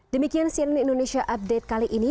demikian cnn indonesia update kali ini